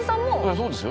そうですよ。